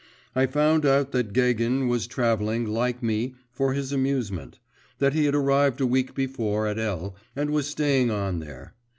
I found out that Gagin was travelling, like me, for his amusement; that he had arrived a week before at L., and was staying on there.